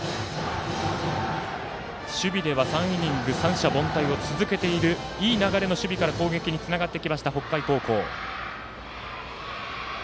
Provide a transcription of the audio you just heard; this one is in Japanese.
守備では３イニング三者凡退を続けているいい流れの守備から攻撃につながってきました、北海高校。